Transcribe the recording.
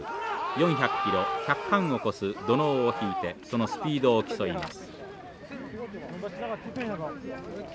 ４００キロ１００貫を超す土のうを引いてそのスピードを競います。